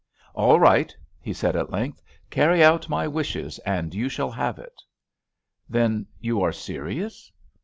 "All right," he said at length; "carry out my wishes and you shall have it." "Then you are serious?"